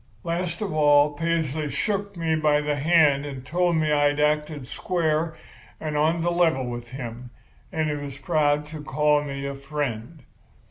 Last of all Paisley shook me by the hand and told me I'd acted square and on the level with him and he was proud to call me a friend.